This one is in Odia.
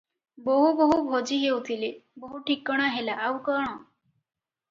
ବୋହୂ ବୋହୂ ଭଜି ହେଉଥିଲେ, ବୋହୂ ଠିକଣା ହେଲା, ଆଉ କଣ?